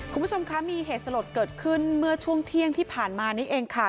คุณผู้ชมคะมีเหตุสลดเกิดขึ้นเมื่อช่วงเที่ยงที่ผ่านมานี้เองค่ะ